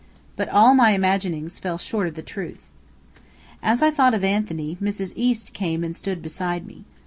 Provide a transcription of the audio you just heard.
But all my imaginings fell short of the truth. As I thought of Anthony, Mrs. East came and stood beside me.